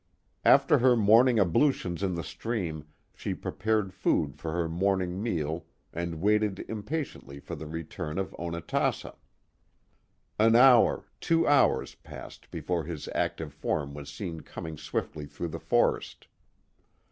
After her morn ing ablutions in the stream she prepared food for her morning meai and waited impatiently for the return of Onatassa. An hour, two hours passed before his active form was seen coming swiftly through the forest.